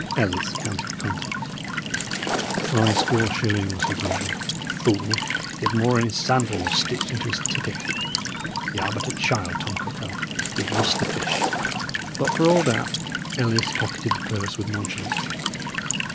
Ellis counted the contents. "Five score shillings!" he grumbled. "Fool, he had more in his sandal, or stitched into his tippet. Y' are but a child, Tom Cuckow; ye have lost the fish." But, for all that, Ellis pocketed the purse with nonchalance.